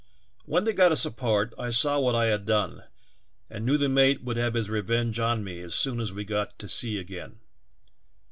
When they got us apart I saw what I had done and knew the mate woidd have his revenge on me as soon as we got to sea again.